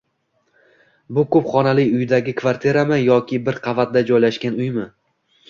Bu ko'p xonali uydagi kvartirami yoki bir qavatda joylashgan uymi?